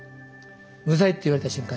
「無罪」って言われた瞬間